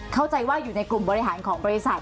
เข้าใจว่าอยู่ในกลุ่มบริหารของบริษัท